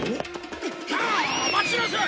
あっ待ちなさい！